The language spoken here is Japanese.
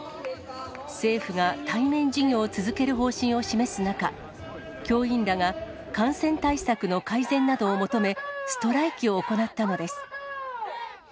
政府が対面授業を続ける方針を示す中、教員らが、感染対策の改善などを求め、ストライキを行ったのです。